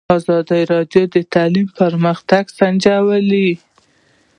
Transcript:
ازادي راډیو د تعلیم پرمختګ سنجولی.